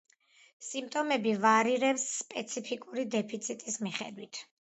სიმპტომები ვარირებს სპეციფიკური დეფიციტის მიხედვით.